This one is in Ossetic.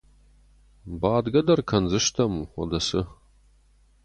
Бадгӕ дӕр кӕндзыстӕм, уӕдӕ цы.